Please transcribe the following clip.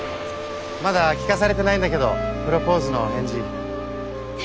まだ聞かされてないんだけどプロポーズの返事。